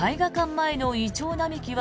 前のイチョウ並木は